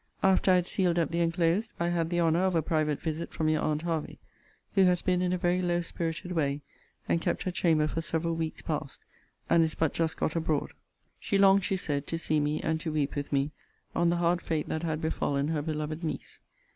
After I had sealed up the enclosed, I had the honour of a private visit from your aunt Hervey; who has been in a very low spirited way, and kept her chamber for several weeks past; and is but just got abroad. She longed, she said, to see me, and to weep with me, on the hard fate that had befallen her beloved niece.